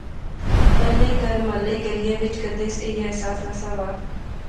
پہلے کہر، محلے، گلیا وچ کیدے اس ایہہ احساس نہسا وہا